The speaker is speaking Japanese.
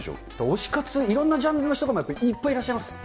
推し活、いろんなジャンルの人がいっぱいいらっしゃいます。